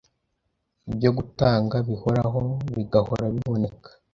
ibyo gutanga bihoraho bigahora biboneka.’’